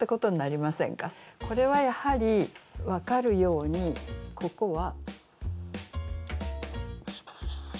これはやはり分かるようにここは。